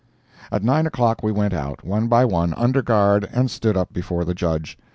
At 9 o'clock we went out, one by one, under guard, and stood up before the Judge.